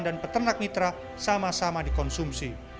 dan peternak mitra sama sama dikonsumsi